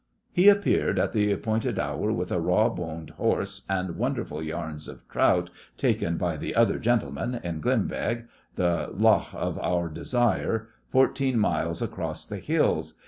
He appeared at the appointed hour with a raw boned horse and wonderful yarns of trout taken by 'the other gentlemen' in Glenbeg, the lough of our desire, fourteen miles across the hills.